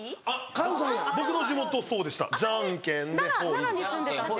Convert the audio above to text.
奈良に住んでたんで。